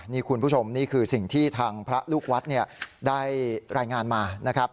นี่คุณผู้ชมนี่คือสิ่งที่ทางพระลูกวัดได้รายงานมานะครับ